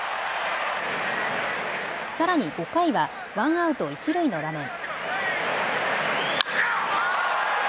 さらに５回はワンアウト一塁の場面。